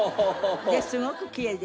ですごくきれいで。